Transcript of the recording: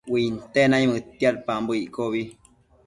Uinte naimëdtiadpambo iccobi